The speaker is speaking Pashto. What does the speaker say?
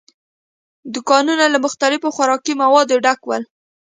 دوکانونه له مختلفو خوراکي موادو ډک ول.